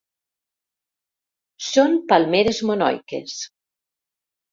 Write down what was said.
Són palmeres monoiques.